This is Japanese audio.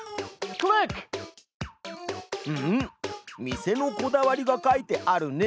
店のこだわりが書いてあるね。